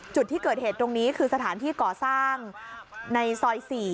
จุดที่เกิดเหตุตรงนี้คือสถานที่ก่อสร้างในซอย๔